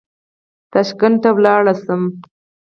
تاشکند ته ولاړ شم.